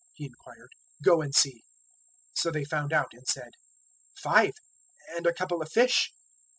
He inquired; "go and see." So they found out, and said, "Five; and a couple of fish."